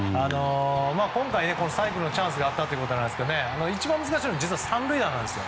今回、サイクルのチャンスがあったということですが一番難しいのは３塁打なんですよ。